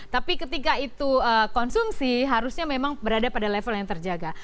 tapi ketika itu konsumsi harusnya memang berada pada level yang terjaga